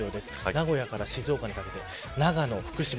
名古屋から静岡にかけて長野、福島